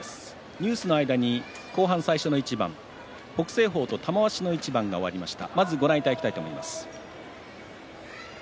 ニュースの間に後半の一番北青鵬と玉鷲の一番が終わりました。